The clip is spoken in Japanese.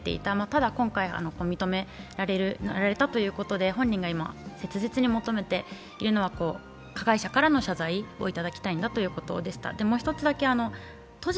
ただ今回、認められたということで本人が今、切実に求めているのは、加害者からの謝罪をいただきたいんだということでした。